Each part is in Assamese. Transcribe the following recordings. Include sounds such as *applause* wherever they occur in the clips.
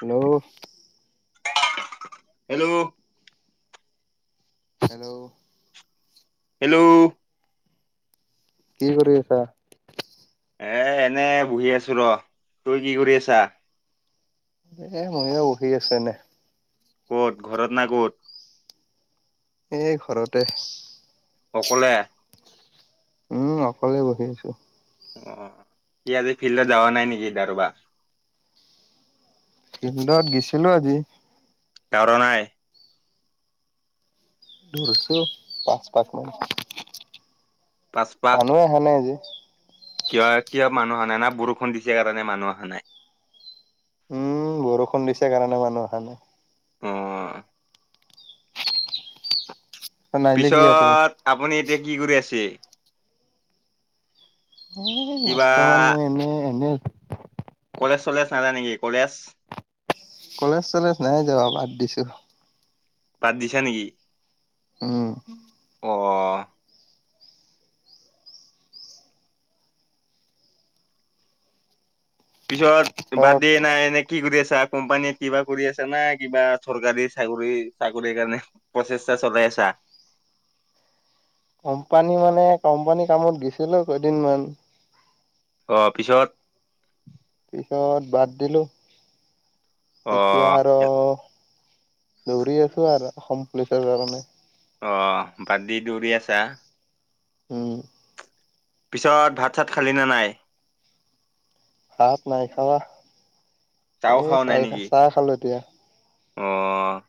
হেল্ল'! হেল্ল'! হেল্ল'! হেল্ল'! কি কৰি আছা? এ এনে বহি আছো ৰ। তই কি কৰি আছা? এ মইও বহি আছো এনে। ক'ত ঘৰত না ক'ত? এ ঘৰতে। অকলে। উম অকলে বহি আছো। অ কি আজি ফিল্ডত যাৱা নাই নেকি দৌৰবা ফিল্দত গেছিলো আজি। দৌৰা নাই? দৌৰিছো পাঁচ পাঁচ মিনিট, পাচপাক মানুহ অহা নাই আজি। কিয় কিয় মানুহ অহা নাই না বৰষুণ দিছে কাৰণে মানুহ অহা নাই? উম বৰষুণ দিছে কাৰণে মানুহ অহা নাই। উম। নাহিলে কি আৰু তুমি? পিছত আপুনি এতিয়া কি কৰি আছে? এ কিবা বৰ্তমান মই এনে এনে আছো। কলেজ চলেজ নাজায় নেকি কলেজ? কলেজ চলেজ নাই যোৱা বাদ দিছো। বাদ দিছা নেকি? উম। অ। পিছত বা পিছত দিয়ে নাই নে কি কৰি আছা কোম্পানীত কিবা কৰি আছো না কিবা চৰকাৰী চাকৰি চাকৰি কাৰণে প্ৰচেষ্টা চলাই আছা? কোম্পানী মানে কোম্পানী কামত গৈছিলো কেইদিনমান। অ! পিছত পিছত বাদ দিলোঁ। অ এতিয়া আৰু দৌৰি আছো আৰু অসম পুলিচৰ কাৰণে। অ! বাদ দি দৌৰি আছা। উম! পিছত ভাত-চাত খালি নে নাই? ভাত নাই খোৱা। চাও এ চাহ খা চাহ খালো এতিয়া। অঁ!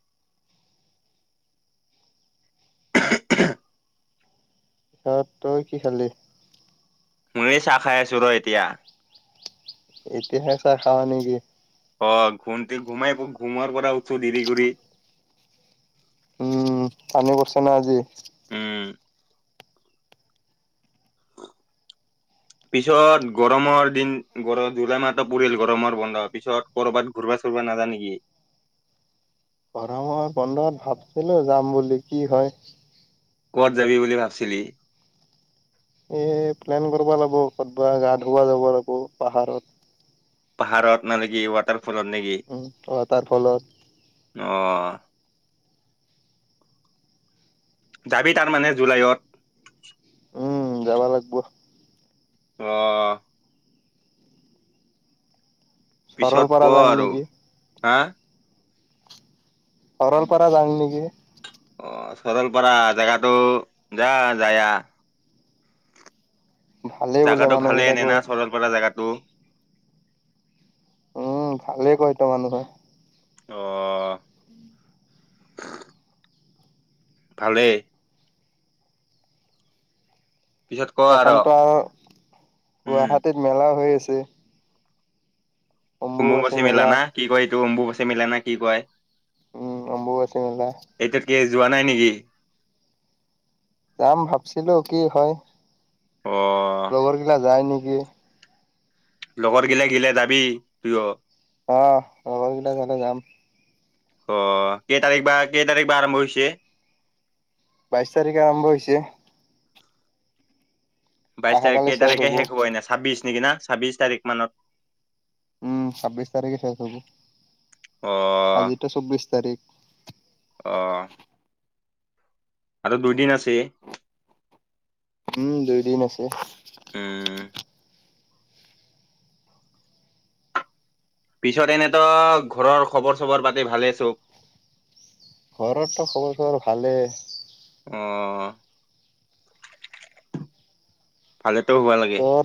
*inaudible* পিছত তই কি খালি? মইয়ো চাহ খাই আছো ৰ এতিয়া। এতিয়াহে চাহ খাৱ নেকি? অ! ঘুমটি ঘুমাই ঘোমাৰ পৰা উঠো দেৰি কৰি। উম! কালি কৰিছা না আজি? উম পিছত গৰমৰ দিন গৰ জুলাই মাহটো পৰিল গৰমৰ বন্ধ, পিছত কৰ'বাত ঘূৰবা-চুৰবা নাযাৱ নেকি? গৰমৰ বন্ধত ভাবিছিলো যাম বুলি কি হয়। ক'ত যাবি বুলি ভাবিছিলি? এ প্লেন কৰিব লাগিব ক'ৰবাত গা ধুওৱা যাব লাগিব পাহাৰত। পাহাৰত মানে কি ৱাটাৰফলত নেকি? উম! ওৱাটাৰ ফলত। অঁ! যাবি তাৰ মানে জুলাইত? উম যাবা লাগিব। অঁ! পিছত সৰলপাৰা ক যাং আৰু নেকি হা! ঘৰৰ পৰা যাওঁ নেকি? অঁ! চৰল পৰা জেগাটো যা যায় আহ। ভালেই বোলে জাগাটো মানুহ ভালেই বিলাকে এনেই না চৰল পৰা জেগাটো? উম! ভালেই কয় ত মানুহে। অ! ভালেই। পিছত ক এখনতো আৰু উম গুৱাহাটীত মেলাও হৈ আছে। অম্বুবাচী মেলা না কি কয় এইটো অম্বুবাচী মেলা না কি কয়? উম! অম্বুবাচী মেলা। এইটো কি যোৱা নাই নেকি? যাম ভাবছিলো কি হয়? অ লগৰ গিলা যায় নেকি? লগত গিলা গেলে যাবি তইও? অঁ! লগৰ কেইটা গলে যাম। অঁ! কেই তাৰিখ বা কেই তাৰিখ বা আৰম্ভ হৈছে? বাইছ তাৰিখে আৰম্ভ হৈছে। বাইছ তাৰিখ কেই তাৰিখে শেষ হ'ব এনে ছাব্বিশ নেকি না ছাব্বিশ তাৰিখ মানত। উম! ছাব্বিশ তাৰিখে শেষ হ'ব। অহ! আজিতো চৌবিশ তাৰিখ অহ! আৰু দুইদিন আছে। উম, দুইদিন আছে। উম। পিছত এনেত' ঘৰৰ খবৰ-চবৰ পাতি ভালে চ'ব? ঘৰৰটো খব চবৰ ভালেই। অ'। ভালেতো হবা লাগে। তোৰ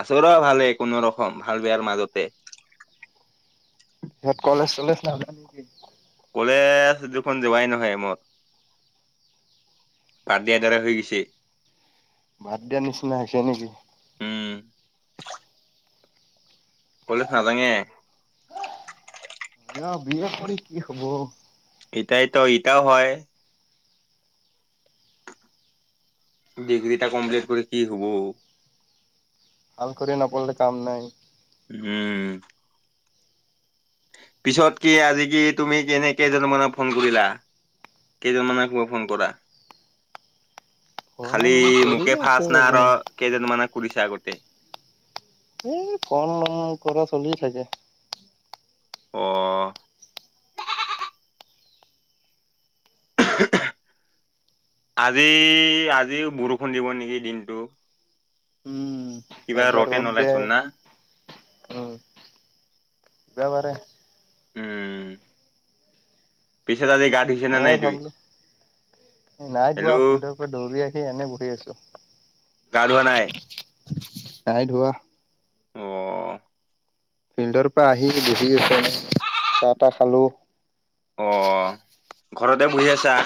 আছো ৰহ ভালেই কোনো ৰকম ভাল বেয়াৰ মাজতে। মোৰ কলেজ চলেজ থাকে। কলেজ দেখনোন যোৱাই নহয় মোৰ। বাদ দিয়াৰ দৰে হৈ গৈছে। বাদ দিয়াৰ নিচিনা হৈছে নেকি? উম কলেজ নাাজাঙে। *unintelligible* কি হ'ব। ইটাই ত' ইতাও হয়। ডিগ্ৰী টা কমপ্লিট কৰি কি হব? ভাল কৰি নাপঢ়িলে কাম নাই। হম। পিছত কি আজি কি তুমি কেনে কেইজনমানক ফোন কৰিলা? কেইজনমানক হ'ল ফোন কৰা? পঢ়া খালি শুনা কৰি মোকে আছো ফাষ্ট না আৰু অকমান কেইজনমানক কৰিছা আগতে? এই *unintelligible* কৰা চলি থাকে। অ'। আজি, আজিও বৰষুণ দিব নেকি দিনটো। উম কিবা একবাৰ ৰ'টেন ৰ'দ দে। ওলাইচোন না উম, দিবাপাৰে। উম। পিছত আজি গা ধু হয় *unintelligible* নাই হেল্ল' ধোৱা, ফিল্ডৰ পৰা দৌৰি আহি এনে বহি আছো। গা ধুৱা নাই? নাই ধোৱা। অ'। ফিল্ডৰ পৰা আহি বহি আছোঁ এনেই, চাহ তাহ খালো। অ'। ঘৰতে বহি আছা?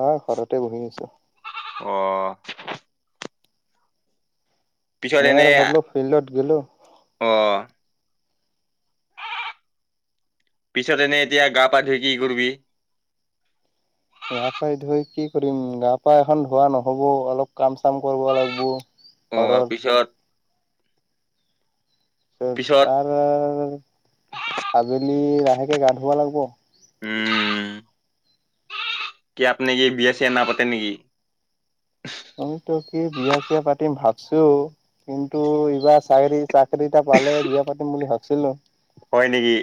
অ' ঘৰতে বহি আছো। অ'। পিছত মই এনে আৰু ভাবিলো ফিল্ডত গেলো। অ'। পিছত এনে এতিয়া গা পা ধুই কি কৰবি? *unintelligible* ধুই কি কৰিম, গা পা এখন ধোৱা নহ'ব অলপ কাম চাম কৰবা লাগব'। অ'। ঘৰত পিছত পিছত তাৰ, আবেলি লাহেকে গা ধুবা লাগিব। উম,। কি আপনি কি বিয়া-চিয়া নাপাতে নেকি? *unintelligible* বিয়া-চিয়া পাতিম ভাবছো। কিন্তু ইবাৰ চায়েৰি, চাকৰি এটা পালে বিয়া পাতিম বুলি ভাবছিলোঁ। হয় নেকি?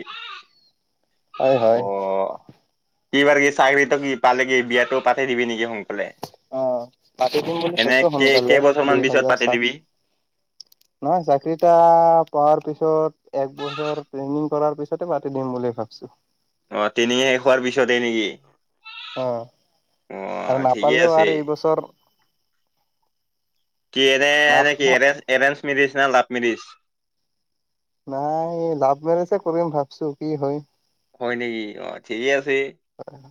হয় হয় অ'। ইবাৰ কি চায়িৰি এটা কি পালে কি, বিয়াটো পাতি দিবি নেকি সোনকালে? অ', পাতি দিম বুলি কৈছো এনে কেই সোনকালে, কেইবছৰ মান দুই পিছত হাজাৰ পাতি সাত। দিবি *inaudible* নহয় চাকৰি এটা পোৱাৰ পিছত, এক বছৰ ট্ৰেইনিং কৰাৰ পিছতে পাতি দিম বুলি ভাবিছো। অ', ট্ৰেইনিং শেষ হোৱাৰ পিছতে নেকি? অ আহ, আৰু ঠিকেই নাপালেও আছে। আৰু এইবছৰ কি নাপ এনে, কি নাপ এৰে, এৰেঞ্জ মেৰিজ নে লাভ মেৰিজ? নাই, এই লাভ মেৰিজে কৰিম ভাবছো, কি হয়। হয় নেকি, অ', ঠিকে আছে। হয়।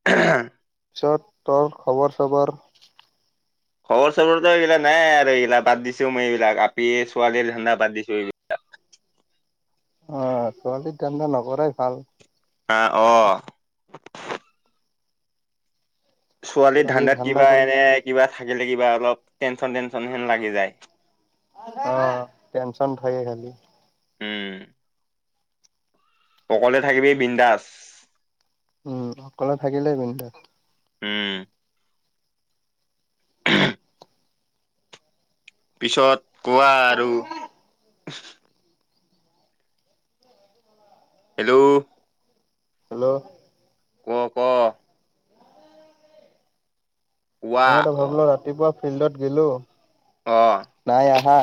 *inaudible* পিছত, তোৰ খবৰ চবৰ। খবৰ চবৰ এইবিলাক নাই আৰু এইগিলা বাদ দিছো মই, এইবিলাক আপি, ছোৱালীৰ ধান্দা বাদ দিছো এইবিলাক। অ', ছোৱালীৰ ধান্দা নকৰাই ভাল। আ', অ'। ছোৱালীৰ ধান্দাত ধান্দা কিবা কৰি এনে কিবা থাকিলে কিবা অলপ টেনচন, টেনশ্যন হেন লাগি যায়। অ', টেনশ্যন হয়ে খালি। উম। অকলে থাকিবি, বিন্দাস। উম, অকলে থাকিলেই বিন্দাস। উম। পিছত কোৱা আৰু হেল্ল'। হেল্ল'। ক, ক। কোৱা মই ভাবিলো ৰাতিপুৱা ফিল্ডত গ'লো। অ'। নাই আহা,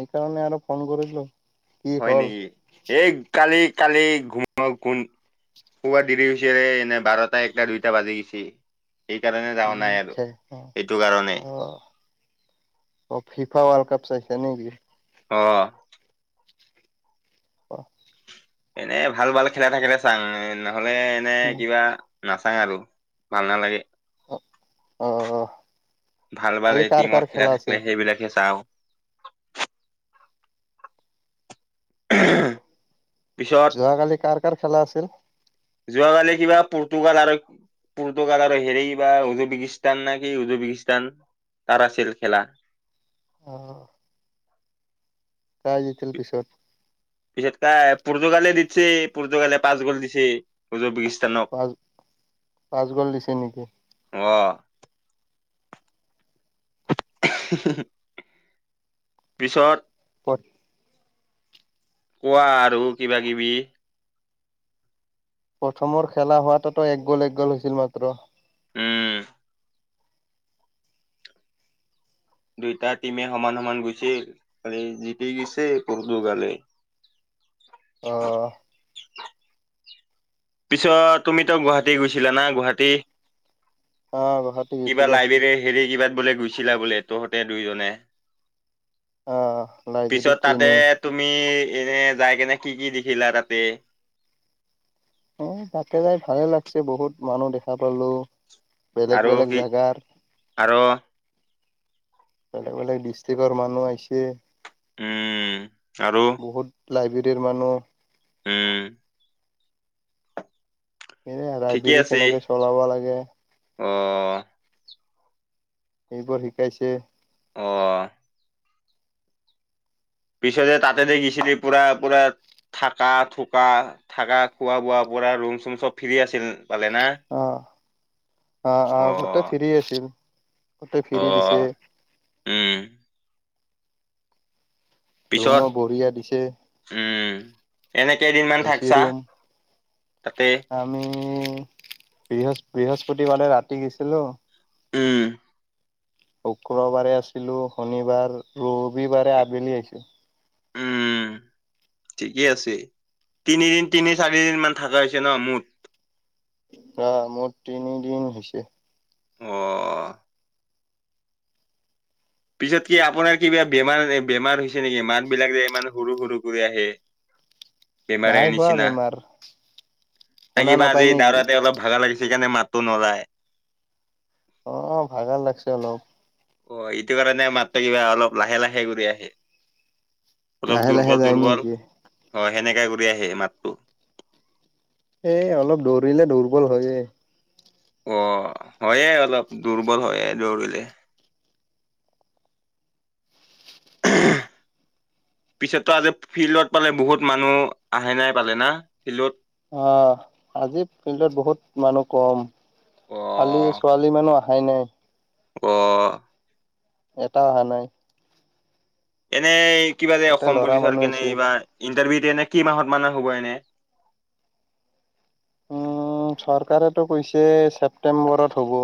এইকাৰণে আৰু ফোন কৰিছিলো। হয় নেকি, এই কালি, কালি *inaudible* শোৱা দেৰি হৈছে ৰে, এনে বাৰটা, একটা, দুইটা বাজি গৈছে। সেইকাৰণে যাৱা উম নাই আৰু খে এইটো কাৰণে। অ অ', ফিফা ৱৰ্ল্ড কাপ চাইছা নেকি? অ'। অ এনে ভাল, ভাল খেলা থাকিলে চাং, নহ'লে এনে কিবা নাচাযং আৰু ভাল নালাগে। অ', অ'। ভাল, ভাল এই টিমত খেলা থাকিলে আছিল সেইবিলাক হে চাওঁ। পিছত যোৱাকালি কাৰ কাৰ খেলা আছিল? যোৱাকালি কিবা পৰ্তুগালক আৰু পৰ্তুগাল হেৰি বা উজুবেকিস্তান নে কি উজুবেকিস্তান তাৰ আছিল খেলা। অ। কোন জিকিল পিছত। পিছত কাই পুৰ্তুগালে দিছে পুৰ্তুগালে পাঁচ গ'ল দিছে উজুবেকিস্তানক। পাঁচ পাঁচ গ'ল দিছে নেকি? অ। হু হু হুম' পিছত- কত? কোৱা আৰু কিবা কিবি। প্ৰথমৰ খেলা হোৱাতো তোৰ এক গ'ল এক গ'ল হৈছিল মাত্ৰ। উম দুইটা টিমে সমান সমান গৈছে, খালি জিতি গৈছে পৰ দু গালে। অ' পিছত তুমিতো গুৱাহাটী গৈছিলা না গুৱাহাটী। আহ গুৱাহাটী কিবা গৈছিলো লাইব্ৰেৰী হেৰি কিবাত বোলে গুছ- ছিলা বোলে তহঁতে দুইজনে, আহ লাইব্ৰেৰী পিছত ট্ৰেইনিং তাতে- তুমি এনে যাই কেনে কি কি দেখিলা তাতে- অঁ তাতে যাই ভালে লাগছে বহুত মানুহ দেখা পালো। বেলেগ আৰু বেলেগ কি জাগাত। আৰু বেলেগ বেলেগ ডিষ্ট্ৰিক্টৰ মানুহ আহিছে। উম' আৰু- বহুত লাইবেৰিৰ মানুহ- উম' সেয়ে আ ৰাই ঠিকে বিৰি আছে কেনেকৈ চলাব লাগে? অ' এইবোৰ শিকাইছে। অঁ' পিছে যে তাতে যে সেইখিনি পুৰা পুৰা- থাকা থুকা থাকা খোৱা বোৱা পুৰা ৰুম চুম চব ফ্ৰী আছিল পালে না। অঁ অঁ অ অঁ গোটেই ফিৰি আছিল গোতেই অ ফ্ৰী দিছে। উম' পিছত ৰুমো বঢ়িয়া দিছে। উম' এনেই কেইদিনমান এ চি থাকছা? ৰুম তাতে। আমি বৃহচ বৃহস্পতিবাৰে ৰাতি গৈছিলোঁ, - উম' শুক্ৰবাৰে আছিলো শনিবাৰ ৰবিবাৰে আবেলি আহিছো। উম উম' ঠিকেই আছে, তিনিদিন তিনি চাৰি দিন মান থকা হৈছে ন মোৰ। আহ মোৰ তিনিদিন হৈছে। অঁ' পিছত কি আপোনাৰ কিবা বেমাৰ বেমাৰ হৈছে নেকি? মাত বিলাক যে ইমান সৰু সৰু কৰি আহে। *unintelligible* নাই হোৱা বেমাৰ। ন শুনা কিবা আজি নাপায় নেকি? দৌৰাতে অলপ ভাগা লাগিছে সেইকাৰণে মাততো নোলায়। অঁ ভাগা লাগছে অলপ। অ এইটো কাৰণে মাত্ৰ কিবা অলপ লাহে লাহে কৰি আহে। অলপ লাহে লাহে দুৰ্বল যায় দুৰ্বল, নেকি? অঁ সেনেকে কৰি আহে মাতটো। এই অলপ দৌৰিলে দুৰ্বল হয়ে। অঁ হয়ে অলপ দুৰ্বল হয়ে দৌৰিলে। *unintelligible* পিছততো আজি ফিল্ডত পালে বহুত মানুহ আহে নাই পালে না ফিল্ডত। অ' আজি ফিল্ডত বহুত মানুহ কম, অ খালি ছোৱালী মানুহ অহাই নাই অ' এটাও অহা নাই এনেই কিবা যে গোটেই অসম ল'ৰা পুলিচৰ মানুহ কেনে আহিছে। এইবাৰ, ইণ্টাৰভিউ দিয়ে নে, কি মাহত মানে হ'ব এনে? উম, চৰকাৰেতো কৈছে ছেপটেম্বৰত হ'ব।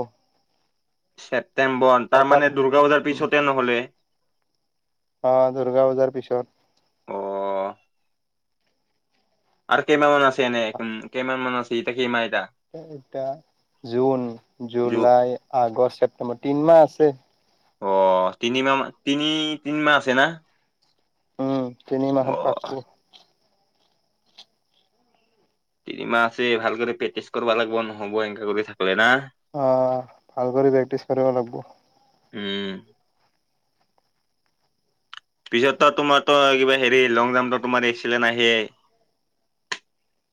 ছেপ্টেম্বৰ তাৰ পাতাৰ মানে দুৰ্গা পূজাৰ পিছতে নহলে? অ' দুৰ্গা পূজাৰ পিছত। অ আৰু কেইমাহ মান আছে এনেই, উ'ম কেইমান মান আছে, এতিয়া কেইমাহ এতিয়া? এ-এতিয়া জুন, জু জুলাই, আগষ্ট, ছেপটেম্বৰ তিন মাহ আছে। অ' তিনিমাহ মান তিনি-তিনিমাহ আছে না? উ'ম তিনি মাহত পাত'ব অ', তিনি মাহ আছেই ভালকে তই প্ৰেক্টিচ কৰিব লাগিব নহব এনেকে কৰি থাকিলে না। অ' ভাল কৰি প্ৰেক্টিচ কৰিব লাগিব। উ'ম পিছত তই তোমাৰটো কিবা হেৰি লং জাম্পটো টো মাৰি আহিছিল নে হেই